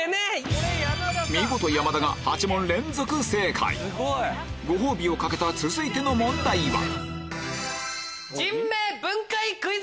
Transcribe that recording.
見事山田が８問連続正解ご褒美を懸けた続いての問題は？